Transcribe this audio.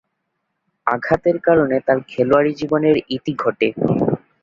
আঘাতের কারণে তার খেলোয়াড়ী জীবনের ইতি ঘটে।